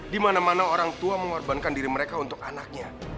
di mana mana orang tua mengorbankan diri mereka untuk anaknya